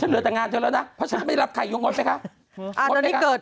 ฉันเหลือแต่งานเจอแล้วนะเพราะฉันไม่รับใครอยู่บนไปนะ